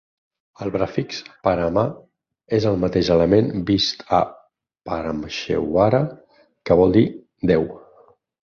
El prefix "parama" és el mateix element vist a "Parameshwara", que vol dir déu.